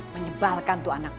menyebalkan tuh anak